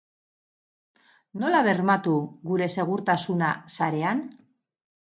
Nola bermatu gure segurtasuna sarean?